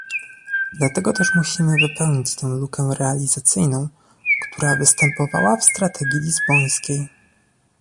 Dlatego też musimy wypełnić tę lukę realizacyjną, która występowała w strategii lizbońskiej